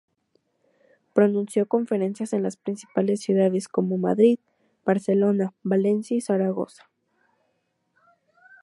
Pronunció conferencias en las principales ciudades, como Madrid, Barcelona, Valencia y Zaragoza.